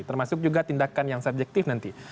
termasuk juga tindakan yang subjektif nanti